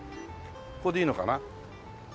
ここでいいのかな？